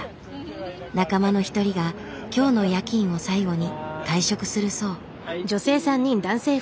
仲間の一人が今日の夜勤を最後に退職するそう。